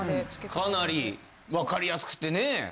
かなりわかりやすくてね。